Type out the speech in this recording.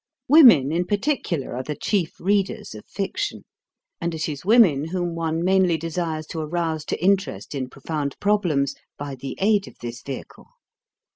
Women, in particular, are the chief readers of fiction; and it is women whom one mainly desires to arouse to interest in profound problems by the aid of this vehicle.